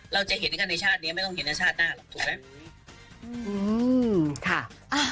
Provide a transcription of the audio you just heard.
เราจะเห็นกันในชาตินี้ไม่ต้องเห็นในชาติหน้าหรอกถูกไหม